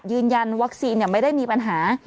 ยืนยันวัคซีนไม่ได้มีปัญหา